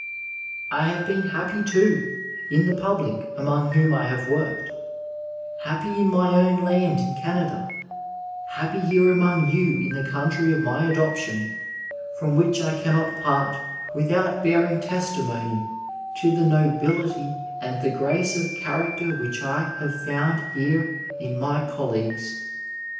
I have been happy too in the public among whom I have worked— happy in my own land in Canada, happy here among you in the country of my adoption, from which I cannot part without bearing testimony to the nobility and the graoe of character which I have found here in my col leagues.